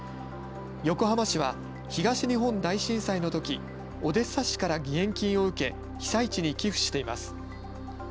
横浜市は東日本大震災のとき、オデッサ市から義援金を受け被災地に寄付しています。